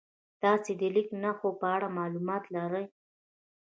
تاسې د لیک نښو په اړه معلومات لرئ؟